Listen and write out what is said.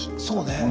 そうね。